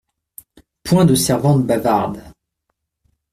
Point de servantes bavardes.